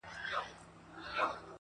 • پاس پر پالنگه اكثر.